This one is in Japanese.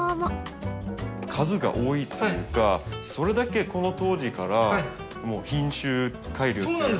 数が多いというかそれだけこの当時からもう品種改良というか。